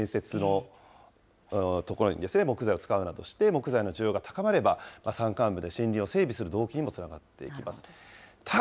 例えば公共施設の建設のところにですね、木材を使うなどして、木材の需要が高まれば、山間部で森林を整備する動機にもつながっていきます。